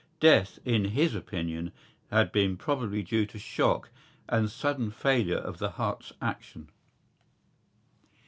Death, in his opinion, had been probably due to shock and sudden failure of the heart's action.